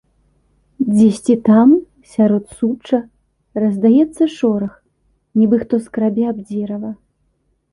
Дзесьці там, сярод сучча раздаецца шорах, нібы хто скрабе аб дзерава.